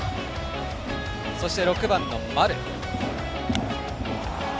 そして、６番の丸。